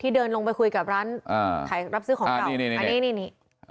ที่เดินลงไปคุยกับร้านรับซื้อของของเรานี่